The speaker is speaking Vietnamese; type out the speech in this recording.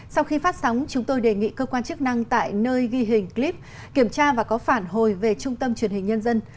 sau khi phát sóng chúng tôi đề nghị cơ quan chức năng tại nơi ghi hình clip kiểm tra và có phản hồi về trung tâm truyền hình nhân dân